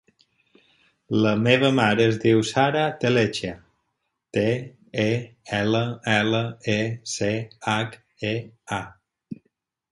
La meva mare es diu Sara Tellechea: te, e, ela, ela, e, ce, hac, e, a.